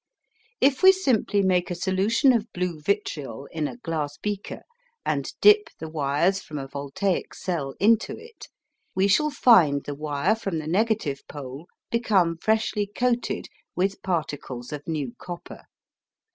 If we simply make a solution of blue vitriol in a glass beaker and dip the wires from a voltaic cell into it, we shall find the wire from the negative pole become freshly coated with particles of new copper.